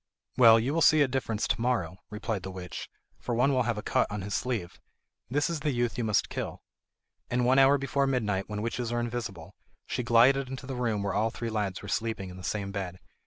"Well, you will see a difference to morrow," replied the witch, "for one will have a cut on his sleeve. That is the youth you must kill." And one hour before midnight, when witches are invisible, she glided into the room where all three lads were sleeping in the same bed.